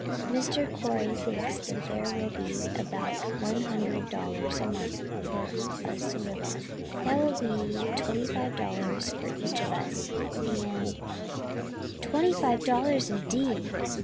Mr. Corey thinks that there will be about one hundred dollars a month for us to live on. That will be twenty five dollars for each of us, and " "Twenty five dollars, indeed?